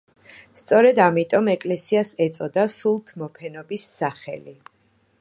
სწორედ ამიტომ ეკლესიას ეწოდა სულთმოფენობის სახელი.